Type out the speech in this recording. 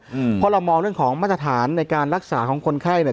เพราะเรามองเรื่องของมาตรฐานในการรักษาของคนไข้เนี่ย